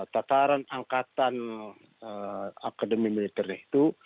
tataran angkatan akademi militernya itu